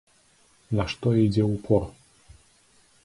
На што ідзе ўпор?